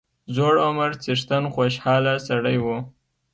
زوړ عمر څښتن خوشاله سړی وو.